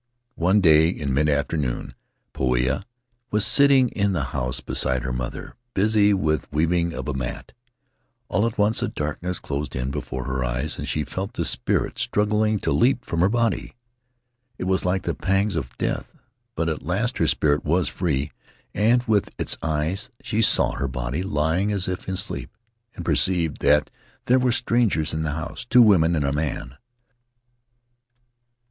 "One day, in midafternoon, Poia was sitting in the house beside her mother, busy with the weaving of a mat. All at once a darkness closed in before her eyes and she felt the spirit struggling to leap from her body. It was like the pangs of death, but at last her spirit was free and with its eyes she saw her body lying as if in sleep, and perceived that there were strangers in the house — two women and a man.